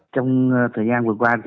trong thời gian vừa qua